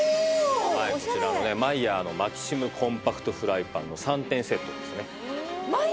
マイヤーのマキシムコンパクトフライパンの３点セットですね。